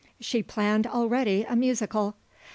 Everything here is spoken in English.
She planned already a musical.